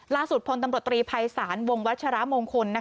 ล่าสุดผลตำรวจตรีภัยศาลวงวัชรมงคุณ